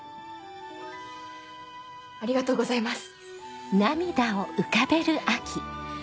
ありがとうございます。